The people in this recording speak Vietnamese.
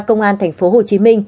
công an tp hcm